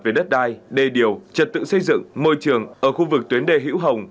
về đất đai đê điều trật tự xây dựng môi trường ở khu vực tuyến đề hữu hồng